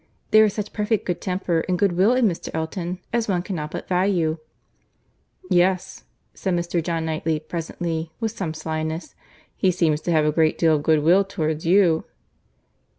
There is such perfect good temper and good will in Mr. Elton as one cannot but value." "Yes," said Mr. John Knightley presently, with some slyness, "he seems to have a great deal of good will towards you."